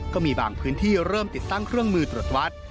ก็มีบางพื้นที่เริ่มติดตั้งเครื่องมือตรวจวัด